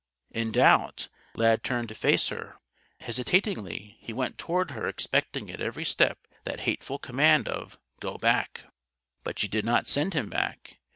_" In doubt, Lad turned to face her. Hesitatingly he went toward her expecting at every step that hateful command of "Go back!" But she did not send him back.